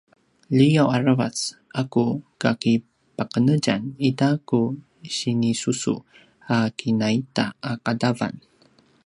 liyav aravac a ku kakipaqenetjan i ta ku sinisusu a kinaita a qadavan